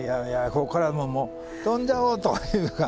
ここからもう飛んじゃおう！というか。